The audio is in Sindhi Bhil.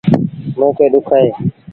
مو کي ڏُک اهي